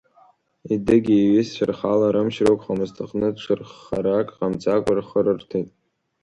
Едыгьа иҩызцәа рхала рымч рықәхомызт аҟныт, ҽырххарак ҟамҵакәа рхы рырҭеит.